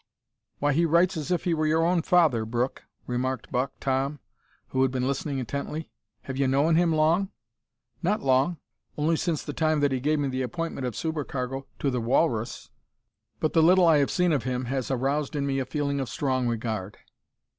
"Why, he writes as if he were your own father, Brooke," remarked Buck Tom, who had been listening intently. "Have you known him long?" "Not long. Only since the time that he gave me the appointment of supercargo to the Walrus, but the little I have seen of him has aroused in me a feeling of strong regard."